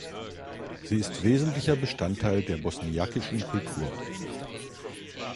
Sie ist wesentlicher Bestandteil der bosniakischen Kultur.